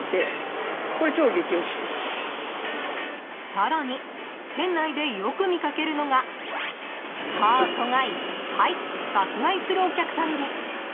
［さらに店内でよく見掛けるのがカートがいっぱい爆買いするお客さんです］